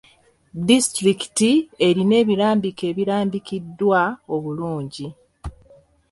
Disitulikiti erina ebirambike ebimanyikiddwa obulungi.